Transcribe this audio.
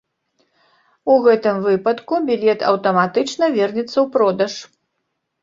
У гэтым выпадку білет аўтаматычна вернецца ў продаж.